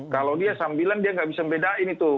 kalau dia sambilan dia nggak bisa membedain itu